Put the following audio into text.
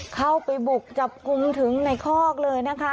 เข้าไปบุกจับกลุ่มถึงในคอกเลยนะคะ